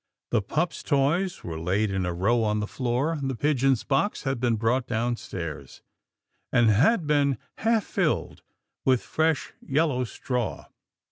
The pup's toys were laid in a row on the floor, and the pigeon's box had been brought downstairs, and had been half filled with fresh yellow straw.